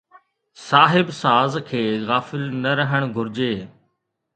صاحب ساز کي غافل نه رهڻ گهرجي